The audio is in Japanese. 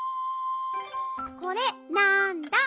これなんだ？